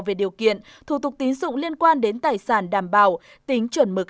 về điều kiện thủ tục tín dụng liên quan đến tài sản đảm bảo tính chuẩn mực